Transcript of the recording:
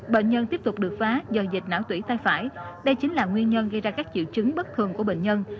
bệnh nhân tiếp tục được phá do dịch não tủy tay phải đây chính là nguyên nhân gây ra các triệu chứng bất thường của bệnh nhân